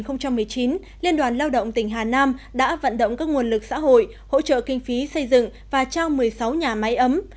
năm hai nghìn một mươi chín liên đoàn lao động tỉnh hà nam đã vận động các nguồn lực xã hội hỗ trợ kinh phí xây dựng và trao một mươi sáu nhà máy ấm